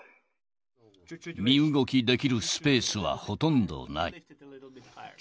身動きできるスペースはほとんどない。